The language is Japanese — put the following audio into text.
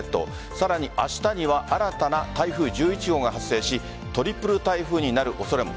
さらに明日には新たな台風１１号が発生しトリプル台風になる恐れも。